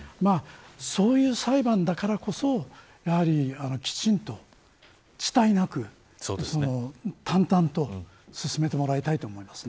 そういう裁判だからこそきちんと遅滞なく淡々と進めてもらいたいと思いますね。